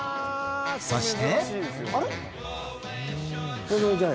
そして。